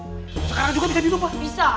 sekarang juga bisa duduk pak bisa